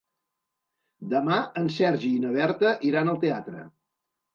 Demà en Sergi i na Berta iran al teatre.